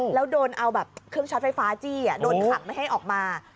แล้วโดนเอาแบบเครื่องช็อตไฟฟ้าจี้โดนขังไม่ให้ออกมา